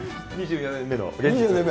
２４年目の現実。